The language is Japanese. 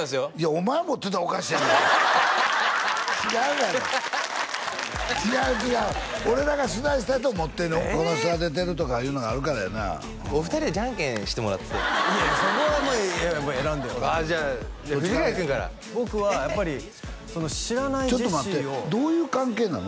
お前持ってたらおかしいやないか違うがな違う違う俺らが取材したやつを持ってんねん友達が出てるとかああいうのがあるからやなお二人でじゃんけんしてもらっていやいやそこはもう選んでよじゃあ藤ヶ谷君から僕はやっぱり知らないジェシーをちょっと待ってどういう関係なの？